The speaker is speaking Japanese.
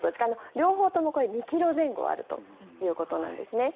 両方とも２ｋｇ前後あるということなんですね。